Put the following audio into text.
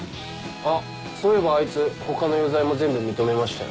あっそういえばあいつ他の余罪も全部認めましたよ。